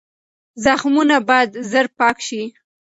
زخمونه باید زر پاک شي.